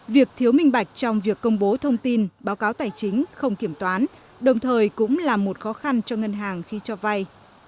việc thiếu minh bạch trong việc công bố thông tin báo cáo tài chính không kiểm toán đồng thời cũng là một khó khăn cho ngân hàng khi cho vay